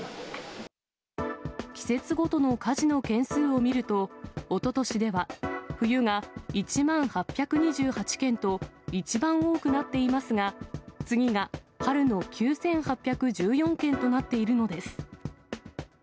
季節ごとの火事の件数を見ると、おととしでは冬が１万８２８件と、一番多くなっていますが、次が春の９８１４件となっているのです。